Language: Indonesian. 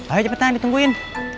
ayo cepetan ditungguin